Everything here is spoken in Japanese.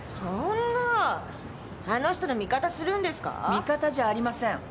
味方じゃありません。